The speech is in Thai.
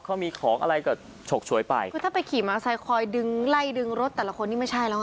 เขามีของอะไรก็ฉกฉวยไปคือถ้าไปขี่มอไซคคอยดึงไล่ดึงรถแต่ละคนนี่ไม่ใช่แล้ว